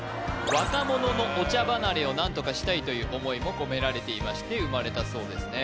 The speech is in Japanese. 若者のお茶離れを何とかしたいという思いも込められていまして生まれたそうですね